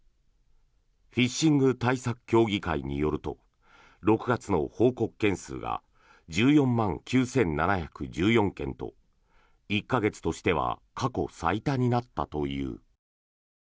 フィッシング対策協議会によると６月の報告件数が１４万９７１４件と１か月としては過去最多になったという。